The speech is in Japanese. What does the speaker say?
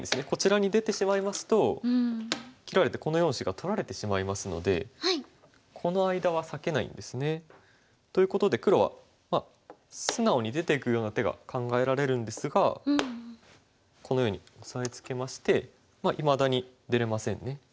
こちらに出てしまいますと切られてこの４子が取られてしまいますのでこの間は裂けないんですね。ということで黒は素直に出ていくような手が考えられるんですがこのようにオサえつけましていまだに出れませんね。